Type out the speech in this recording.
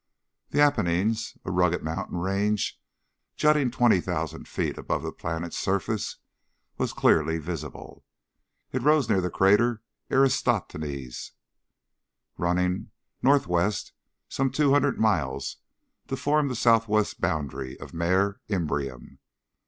The Apennines, a rugged mountain range jutting 20,000 feet above the planet's surface, was clearly visible. It rose near the Crater Eratosthenes, running northwest some 200 miles to form the southwest boundary of Mare Imbrium.